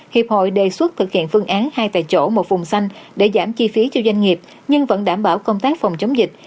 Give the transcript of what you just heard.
hiệp hội đề xuất thực hiện phương án hai tại chỗ một vùng xanh để giảm chi phí cho doanh nghiệp nhưng vẫn đảm bảo công tác phòng chống dịch